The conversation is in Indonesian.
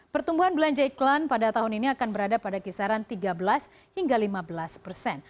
pertumbuhan belanja iklan pada tahun ini akan berada pada kisaran tiga belas hingga lima belas persen